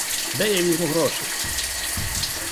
Де я візьму грошей?